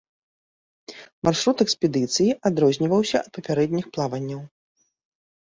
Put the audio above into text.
Маршрут экспедыцыі адрозніваўся ад папярэдніх плаванняў.